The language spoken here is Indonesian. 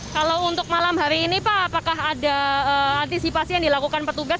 kalau untuk malam hari ini pak apakah ada antisipasi yang dilakukan petugas